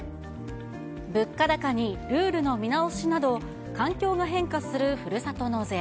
物価高にルールの見直しなど、環境が変化するふるさと納税。